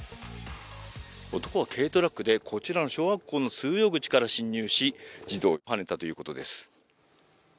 男は軽トラックでこちらの小学校の通用口から侵入し児童をはねたということです。